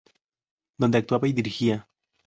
Donde actuaba y dirigía.